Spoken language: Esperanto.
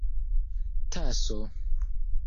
taso